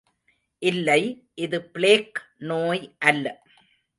இல்லை, இது பிளேக் நோய் அல்ல.